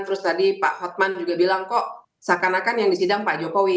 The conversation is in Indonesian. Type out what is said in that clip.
terus tadi pak hotman juga bilang kok seakan akan yang disidang pak jokowi